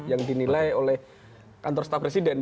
yang dinilai oleh kantor staf presiden